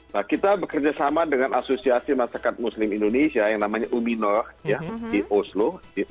nah kita bekerjasama dengan asosiasi masyarakat muslim indonesia yang namanya uminor di oslo